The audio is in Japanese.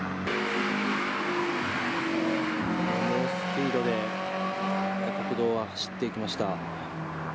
猛スピードで国道を走っていきました。